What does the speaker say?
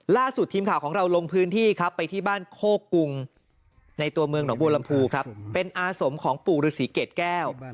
ล่าสุดทีมข่าวของเราลงพื้นที่ครับไปที่บ้านโคกุงในตัวเมืองหนองบัวลำพูครับเป็นอาสมของปู่ฤษีเกรดแก้ว